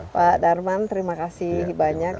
pak darman terima kasih banyak